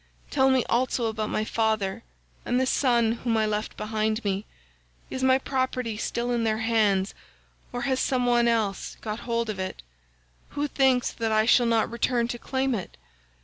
Tell me also about my father, and the son whom I left behind me, is my property still in their hands, or has some one else got hold of it, who thinks that I shall not return to claim it?